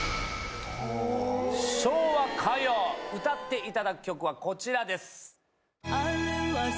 「昭和歌謡」歌っていただく曲はこちらです。